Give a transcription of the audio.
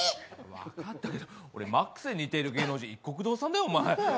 分かったけど、俺ＭＡＸで似てる芸能人、いっこく堂さんだよ